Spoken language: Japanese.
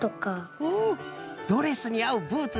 おおドレスにあうブーツね。